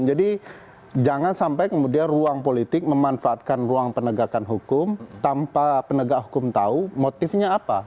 jadi jangan sampai kemudian ruang politik memanfaatkan ruang penegakan hukum tanpa penegak hukum tahu motifnya apa